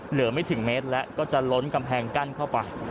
เหลือไม่ถึงเมตรแล้วก็จะล้นกำแพงกั้นเข้าไป